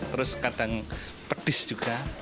terus kadang pedis juga